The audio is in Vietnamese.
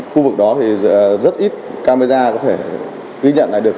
khu vực đó thì rất ít camera có thể ghi nhận lại được